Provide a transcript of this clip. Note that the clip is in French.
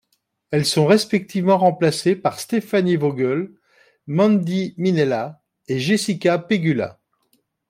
Elles sont respectivement remplacées par Stefanie Vögele, Mandy Minella et Jessica Pegula.